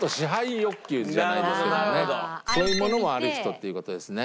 そういうものもある人っていう事ですね。